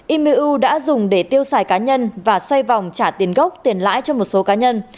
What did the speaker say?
imu đã dùng để tiêu xài cá nhân và xoay vòng trả tiền gốc tiền lãi cho một số cá nhân